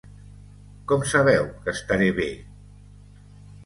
Com sabeu que estaré bé?